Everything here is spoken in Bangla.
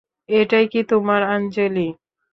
এটাই কি তোমার আঞ্জলি?